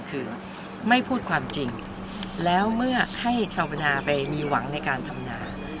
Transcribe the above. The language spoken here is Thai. คือไม่พูดความจริงแล้วเมื่อให้ชาวพนาไปมีหวังในการทำนา